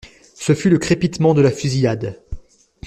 Ce fut le crépitement de la fusillade.